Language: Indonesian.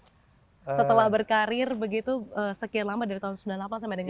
setelah berkarir begitu sekian lama dari tahun seribu sembilan ratus sembilan puluh delapan sampai sekarang